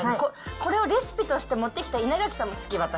これをレシピとして持ってきた稲垣さんも好き、私。